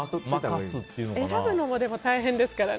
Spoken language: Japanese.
選ぶのも大変ですけどね。